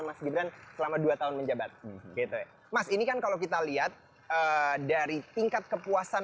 mas gibran selama dua tahun menjabat gitu mas ini kan kalau kita lihat dari tingkat kepuasan